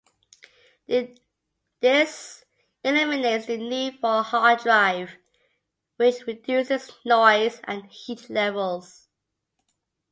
This eliminates the need for a hard drive, which reduces noise and heat levels.